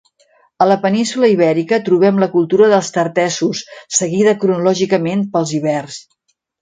A la península Ibèrica, trobem la cultura de Tartessos, seguida cronològicament pels ibers.